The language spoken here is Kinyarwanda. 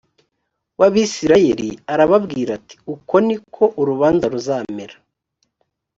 w abisirayeli arababwira ati uko ni ko urubanza ruzamera